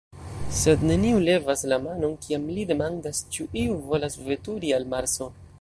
Sed neniu levas la manon, kiam li demandas, ĉu iu volas veturi al Marso.